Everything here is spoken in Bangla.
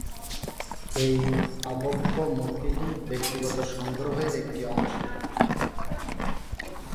এই আবক্ষ মূর্তিটি ব্যক্তিগত সংগ্রহের একটি অংশ।